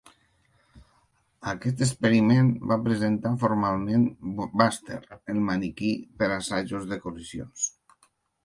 Aquest experiment va presentar formalment Buster, el maniquí per a assajos de col·lisions.